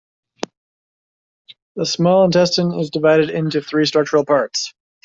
The small intestine is divided into three structural parts.